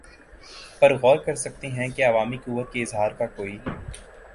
پر غور کر سکتے ہیں کہ عوامی قوت کے اظہار کا کوئی